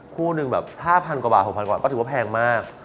คู่หนึ่งแบบ๕๐๐กว่าบาท๖๐๐กว่าก็ถือว่าแพงมาก